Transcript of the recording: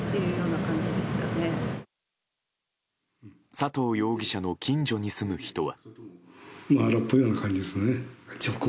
佐藤容疑者の近所に住む人は。